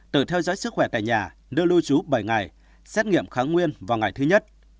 tự theo dõi sức khỏe tại nhà nơi lưu trú bảy ngày xét nghiệm kháng nguyên vào ngày thứ nhất